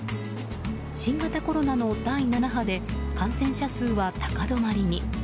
新型コロナの第７波で感染者数は高止まりに。